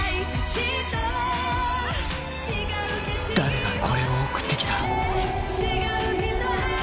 誰がこれを送ってきた？